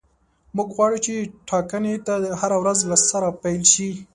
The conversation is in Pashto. موږ غواړو چې ټاکنې دې هره ورځ له سره پیل شي.